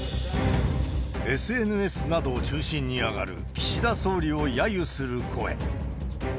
ＳＮＳなどを中心に上がる、岸田総理をやゆする声。